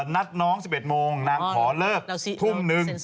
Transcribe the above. นัดน้อง๑๑โมงนางขอเลิกทุ่มนึง